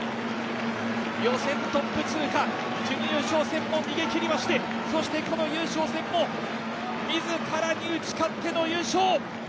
予選トップ通過、準優勝戦も逃げ切りましてそしてこの優勝戦も自らに打ち勝っての優勝。